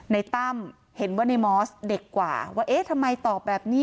ตั้มเห็นว่าในมอสเด็กกว่าว่าเอ๊ะทำไมตอบแบบนี้